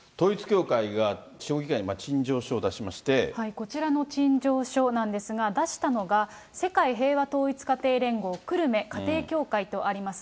こちらの陳情書なんですが、出したのが、世界平和統一家庭連合久留米家庭教会とあります。